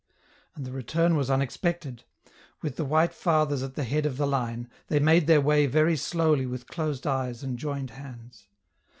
And the return was unexpected ; with the white fathers at the head of the line, they made their way very slowly with closed eyes and joined hands.